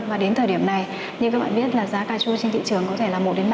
và đến thời điểm này như các bạn biết là giá cà chua trên thị trường có thể là một năm